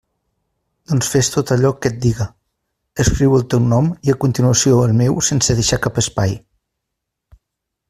Doncs fes tot allò que et diga: escriu el teu nom i a continuació el meu sense deixar cap espai.